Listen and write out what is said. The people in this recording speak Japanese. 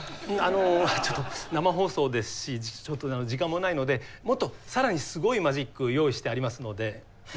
あのちょっと生放送ですし時間もないのでもっとさらにすごいマジックを用意してありますので。